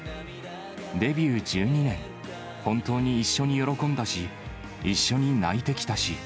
デビュー１２年、本当に一緒に喜んだし、一緒に泣いてきたし。